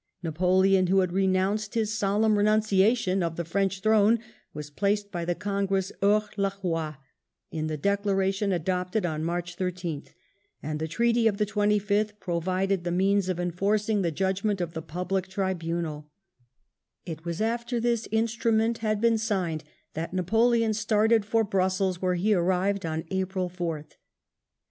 Napoleon, who had renounced his solemn renimciation of the French throne, was placed by the Congress Aors la, loi in the declaration adopted on March 13th, and the treaty of the 25th provided the means of enforcing the judgment of the public tribunal It was after this instrument had been signed that Wellington started for Brussels, where he arrived on April 4th.